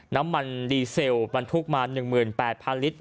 น้ำมันดีเซลบรรทุกมา๑๘๐๐ลิตร